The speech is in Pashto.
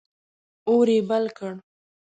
اور یې بل کړ.